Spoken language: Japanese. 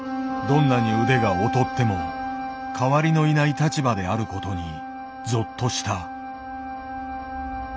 どんなに腕が劣っても代わりのいない立場であることにゾッとした。